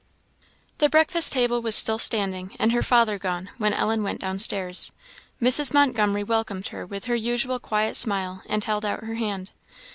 The breakfast table was still standing, and her father gone, when Ellen went down stairs. Mrs. Montgomery welcomed her with her usual quiet smile, and held out her hand.